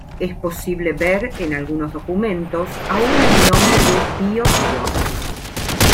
Es posible ver en algunos documentos aun el nombre de "Biobío".